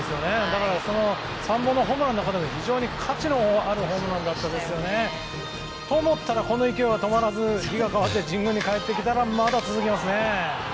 だから３本のホームランの中でも非常に価値のあるホームランでしたね。と、思ったらこの勢いが止まらず日が変わって神宮に戻ってきたらまだ続きますね。